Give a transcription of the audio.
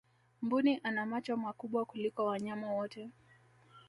mbuni ana macho makubwa kuliko wanyama wote